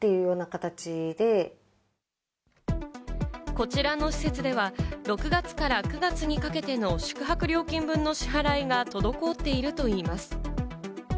こちらの施設では６月から９月にかけての宿泊料金分の支払いが滞っているといいます。